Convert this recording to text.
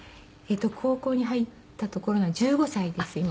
高校に入ったところなので１５歳です今。